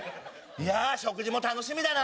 いやあ食事も楽しみだな！